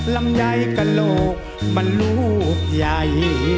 ลำใหญ่กับโลกมันลูกใหญ่